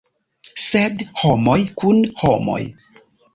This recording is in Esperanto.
Sed homoj kun homoj.